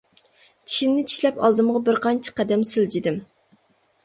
چىشىمنى چىشلەپ ئالدىمغا بىر قانچە قەدەم سىلجىدىم.